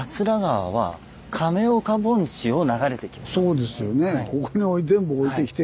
そうですよね。